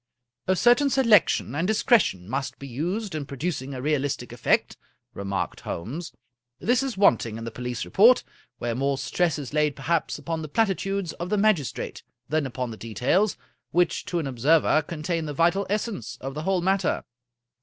" A certain selection and discretion must be used in pro ducing a realistic effect," remarked Holmes. " This is want ing in the police report, where more stress is laid perhaps upon the platitudes of the magistrate than upon the details, which to an observer contain the vital essence of the whole matter.